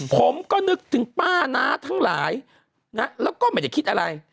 ผมก็นึกถึงป้านะทั้งหลายแล้วก็หมายถึงคิดอะไร